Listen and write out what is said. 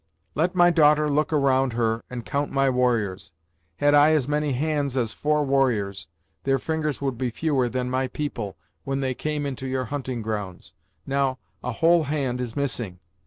Let my daughter look around her and count my warriors. Had I as many hands as four warriors, their fingers would be fewer than my people, when they came into your hunting grounds. Now, a whole hand is missing.